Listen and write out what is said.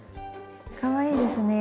かわいいですね。